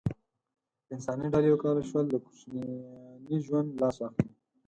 انساني ډلې وکولای شول له کوچیاني ژوند لاس واخلي.